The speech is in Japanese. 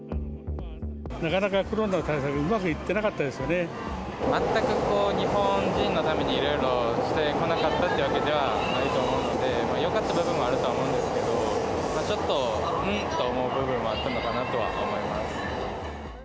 なかなかコロナ対策うまくい全く日本人のためにいろいろしてこなかったというわけではないと思うので、よかった部分もあると思うんですけど、ちょっと、ん？と思う部分もあったのかなとは思います。